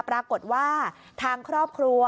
ปรากฏว่าทางครอบครัว